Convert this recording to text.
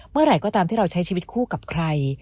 เมื่อไหร่ก็ตามที่เราใช้ชีวิตคู่กับใคร